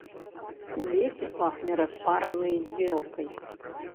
У лесе пахне распаранай елкай.